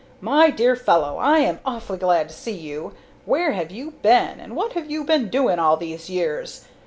My dear fellow, I am awfully glad to see you. Where have you been, and what have you been doing all these years?